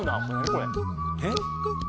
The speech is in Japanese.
これえっ？